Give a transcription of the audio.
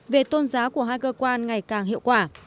về tôn giáo của hai cơ quan ngày càng hiệu quả